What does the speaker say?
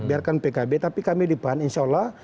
biarkan pkb tapi kami di pan insya allah